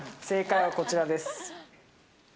正解はこちらです。